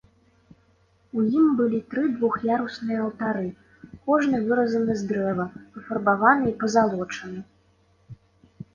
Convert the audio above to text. У ім былі тры двух'ярусныя алтары, кожны выразаны з дрэва, пафарбаваны і пазалочаны.